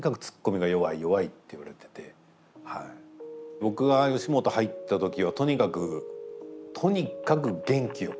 僕が吉本に入った時はとにかくとにかく元気よく。